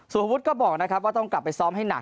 วุฒิก็บอกนะครับว่าต้องกลับไปซ้อมให้หนัก